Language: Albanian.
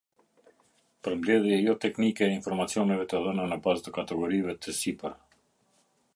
Përmbledhje jo-teknike e informacioneve të dhëna në bazë të kategorive të sipër.